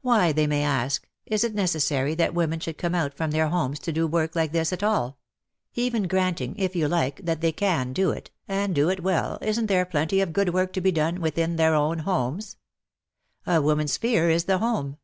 Why, they may ask, is it neces sary that women should come out from their homes to do work like this at all} Even granting, if you like, that they can do it, and do it well, isn't there plenty of good work to be done within their own homes }" A woman's sphere is the home."